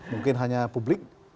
mungkin hanya publik